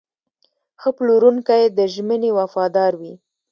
ښه پلورونکی د ژمنې وفادار وي.